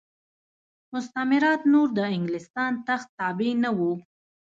مستعمرات نور د انګلستان تخت تابع نه وو.